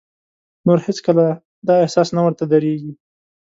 نور هېڅ کله دا احساس نه ورته درېږي.